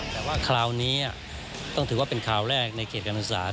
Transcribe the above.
แต่ว่าคราวนี้ต้องถือว่าเป็นคราวแรกในเขตการศึกษา